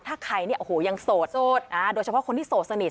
ถ้าใครเนี่ยโอ้โหยังโสดโดยเฉพาะคนที่โสดสนิท